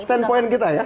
standpoint kita ya